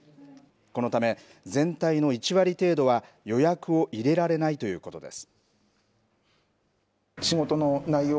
このため、全体の１割程度は、予約を入れられないということです。